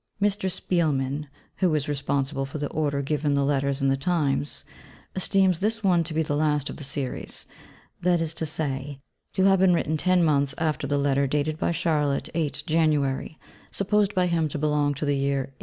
Mr. Spielmann (who is responsible for the order given the Letters in the Times) esteems this one to be the last of the series; that is to say, to have been written ten months after the Letter dated by Charlotte 8 January, supposed by him to belong to the year 1845.